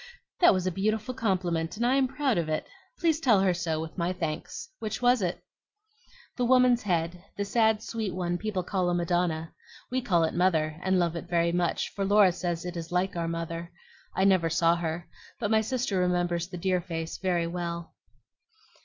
"That was a beautiful compliment, and I am proud of it. Please tell her so, with my thanks. Which was it?" "The woman's head, the sad, sweet one people call a Madonna. We call it Mother, and love it very much, for Laura says it is like our mother. I never saw her, but my sister remembers the dear face very well."